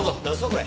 これ。